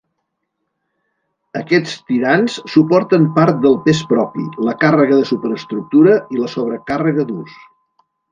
Aquests tirants suporten part del pes propi, la càrrega de superestructura i la sobrecàrrega d'ús.